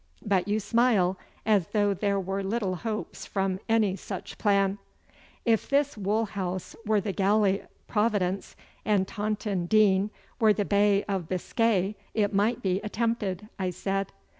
But you smile, as though there were little hopes from any such plan!' 'If this wool house were the galley Providence and Taunton Deane were the Bay of Biscay, it might be attempted,' I said.